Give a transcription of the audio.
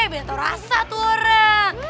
beto rasa tuh orang